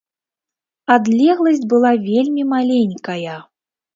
Адлегласць была вельмі маленькая.